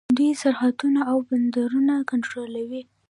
دوی سرحدونه او بندرونه کنټرولوي.